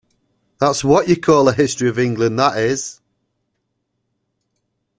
That’s what you call a History of England, that is.